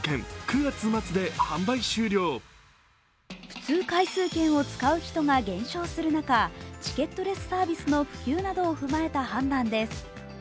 普通回数券を使う人が減少する中チケットレスサービスの普及などを踏まえた判断です。